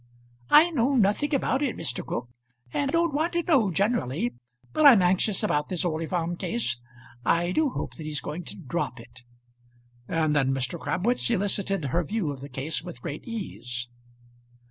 "I know nothing about it, Mr. Cooke; and don't want to know generally. But I am anxious about this Orley Farm case. I do hope that he's going to drop it." And then Mr. Crabwitz elicited her view of the case with great ease.